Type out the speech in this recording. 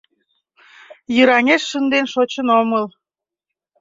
Йыраҥеш шынден шочын омыл.